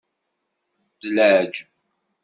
D leɛjeb!